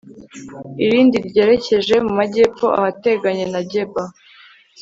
irindi ryerekeje mu majyepfo, ahateganye na geba